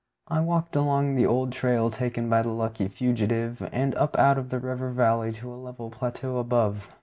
I walked on along the old trail taken by the lucky fugitive, and up out of the river valley to a level plateau above.